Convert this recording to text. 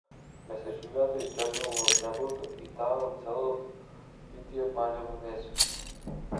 Месечината исчезнува од небото, и таа со целото битие паѓа во несвест.